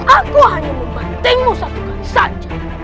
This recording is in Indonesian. aku hanya membantengmu satu kali saja